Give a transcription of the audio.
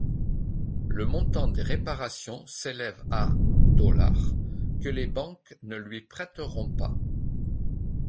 Le montant des réparations s'élève à dollars, que les banques ne lui prêteront pas.